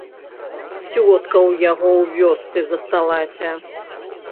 Цётка ў яго ў вёсцы засталася.